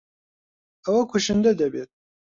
ئەوە کوشندە دەبێت.